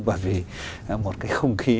bởi vì một cái không khí